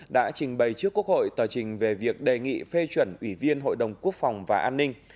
đã trình bày trước quốc hội tờ trình về việc đề nghị phê chuẩn ủy viên hội đồng quốc phòng và an ninh